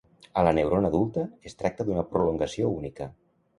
A la neurona adulta es tracta d'una prolongació única.